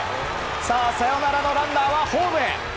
さあ、サヨナラのランナーはホームへ。